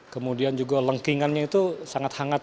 kemudian juga lengkingannya itu sangat hangat